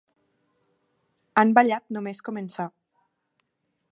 Han ballat només començar.